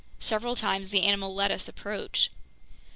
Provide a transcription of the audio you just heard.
Several times the animal let us approach.